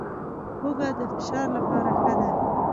هوږه د فشار لپاره ښه ده